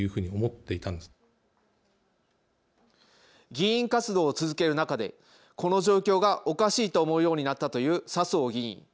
議員活動を続ける中でこの状況がおかしいと思うようになったという笹生議員。